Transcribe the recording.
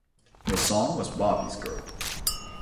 The song was "Bobby's Girl".